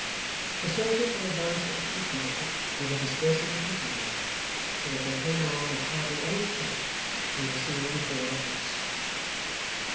The soldiers had advanced into Fleet Market and were dispersing the people there; so that they came on with hardly any check, and were soon before the house.